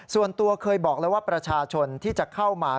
ส่วนตัวเคยบอกแล้วว่าประชาชนที่จะเข้ามา